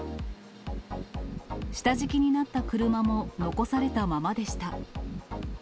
下敷きになった車も残されたままでした。